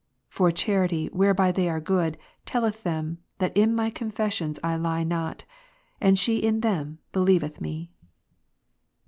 For charity, whereby they are good, telleth them, that in my confessions I lie not; and she in them, believeth me.